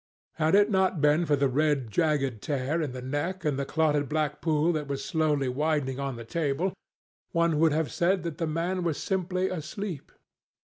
Had it not been for the red jagged tear in the neck and the clotted black pool that was slowly widening on the table, one would have said that the man was simply asleep.